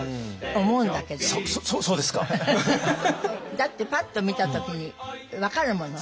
だってパッと見た時に分かるもの。